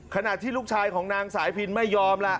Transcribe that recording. ขณะที่ลูกชายของนางสายพินไม่ยอมล่ะ